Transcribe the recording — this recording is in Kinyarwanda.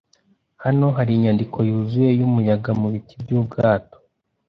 Hano hari inyandiko yuzuye yumuyaga mubiti byubwato.